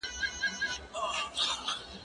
که وخت وي، سپينکۍ پرېولم؟!